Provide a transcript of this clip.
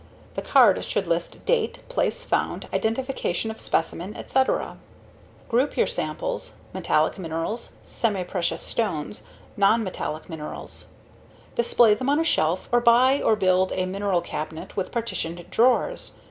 The card should list date, place found, identification of specimen, etc. Group your samples: metallic minerals, semiprecious stones, nonmetallic minerals. Display them on a shelf, or buy or build a mineral cabinet with partitioned drawers.